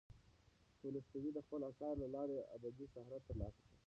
تولستوی د خپلو اثارو له لارې ابدي شهرت ترلاسه کړ.